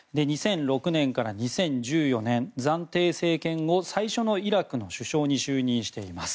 ２００６年から２０１４年暫定政権後、最初のイラクの首相に就任しています。